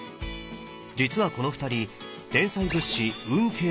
実はこの２人